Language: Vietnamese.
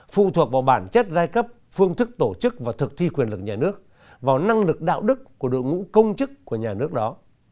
phụ thuộc vào bản chất giai cấp phương thức tổ chức và thực thi quyền lực nhà nước vào năng lực đạo đức của đội ngũ công chức của nhà nước đó